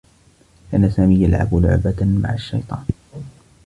كان سامي يلعب لعبة مع الشّيطان.